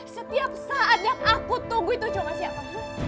setiap saat yang aku tunggu itu cuma siapa